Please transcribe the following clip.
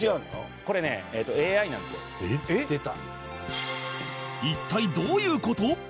これねＡＩなんですよ。出た。